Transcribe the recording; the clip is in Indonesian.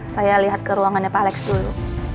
saya lihat ke ruangannya pak alex dulu